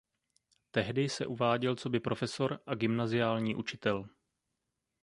Tehdy se uváděl coby profesor a gymnaziální učitel.